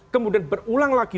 kemudian berulang lagi